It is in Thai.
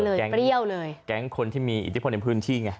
เออแก๊งแก๊งคนที่มีอิทธิพลในพื้นที่ไง